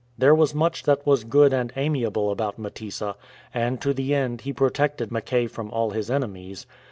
There was much that was good and amiable about Mtesa, and to the end he protected Mackay from all his enemies.